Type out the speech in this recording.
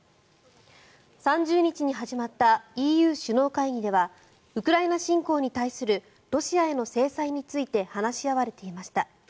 ３０日に始まったＥＵ首脳会議ではウクライナ侵攻に対するロシアへの制裁について話し合われていました。